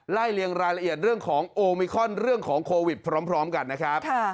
เลียงรายละเอียดเรื่องของโอมิคอนเรื่องของโควิดพร้อมกันนะครับ